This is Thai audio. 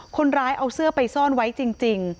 คนร้ายเอาเสื้อไปซ่อนไว้จริง